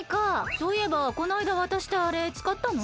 そういえばこないだわたしたあれつかったの？